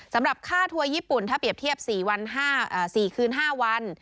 สำหรับค่าทัวร์ญี่ปุ่นถ้าเปรียบเทียบ๔คืน๕วัน